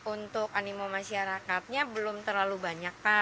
untuk animo masyarakatnya belum terlalu banyak